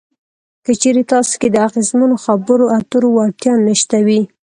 که چېرې تاسې کې د اغیزمنو خبرو اترو وړتیا نشته وي.